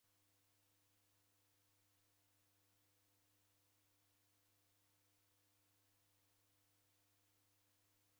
Lukuw'a lwakaba tiki hata sidimagha kufuma shighadi